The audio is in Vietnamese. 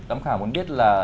tấm khảo muốn biết là